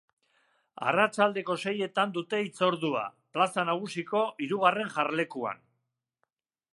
Arratsaldeko seietan dute hitzordua, plaza nagusiko hirugarren jarlekuan.